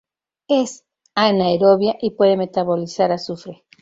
Es anaerobia y puede metabolizar azufre.